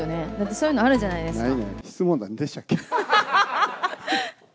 そういうのあるじゃないですか。